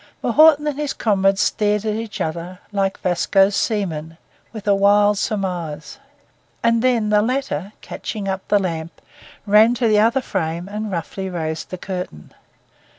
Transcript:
M'Naughten and his comrade stared at each other like Vasco's seamen, 'with a wild surmise'; and then the latter, catching up the lamp, ran to the other frame and roughly raised the curtain.